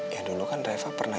ya dulu kan reva pernah